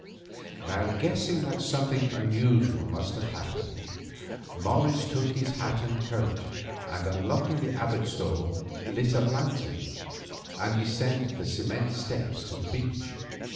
Now guessing that something unusual must have happened, Morris took his hat and coat, and, unlocking the Abbot's door, lit a lantern, and descended the cement steps to the beach.